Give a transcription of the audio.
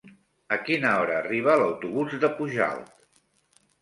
A quina hora arriba l'autobús de Pujalt?